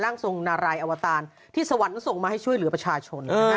ทรงนารายอวตารที่สวรรค์ส่งมาให้ช่วยเหลือประชาชน